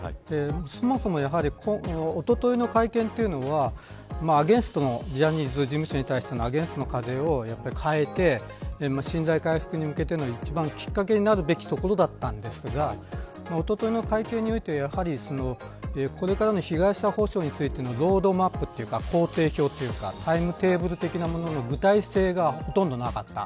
そもそもおとといの会見というのはアゲンストのジャニーズ事務所に対する風を変えて信頼回復に向けての一番のきっかけになるところだったと思うのですがおとといの会見においてこれからの被害者補償についてのロードマップや工程表というかタイムテーブル的なものの具体性がほとんどなかった。